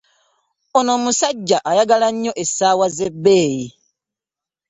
Oyo omusajja ayagala nnyo essaawa z'ebbeeyi.